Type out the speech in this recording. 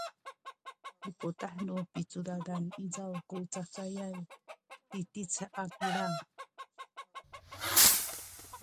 i putah nu picudadan izaw ku cacayay titic a kilang